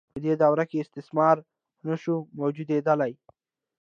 په دې دوره کې استثمار نشو موجودیدلای.